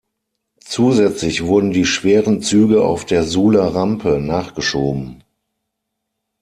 Zusätzlich wurden die schweren Züge auf der Suhler Rampe nachgeschoben.